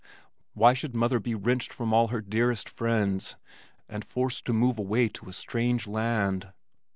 Why should mother be wrenched from all her dearest friends and forced to move away to a strange land?"